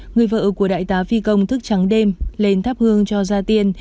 người vợ của đại tá phi công thức trắng đêm lên tháp hương cho ra tiên